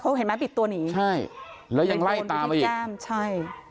เขาเห็นไหมปิดตัวหนีรีบกลุ่นที่แก้มแล้วยังไล่ตามละอีก